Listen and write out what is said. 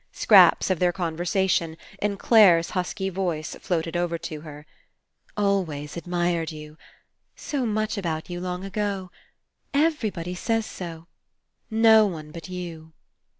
Scraps of their conversation, in Clare's husky voice, floated over to her: "... always admired you ... so much about you long ago ... every body says so ... no one but you.